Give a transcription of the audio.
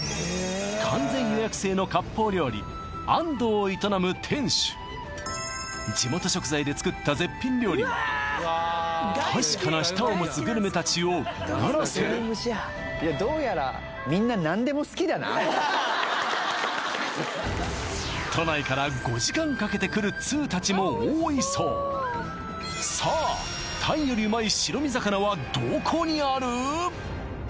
完全予約制の割烹料理安藤を営む店主地元食材で作った絶品料理は確かな舌を持つグルメたちをうならせる都内から５時間かけて来るツウたちも多いそうさあ鯛よりうまい白身魚はどこにある？